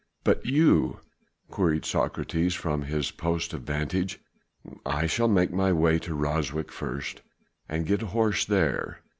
"But you?" queried Socrates from his post of vantage. "I shall make my way to Ryswyk first and get a horse there.